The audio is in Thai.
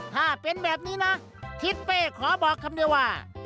ถ้าเป็นแบบนี้นะทิศเป้ขอบอกคำเดียวว่า